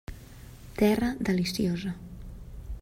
Terra deliciosa.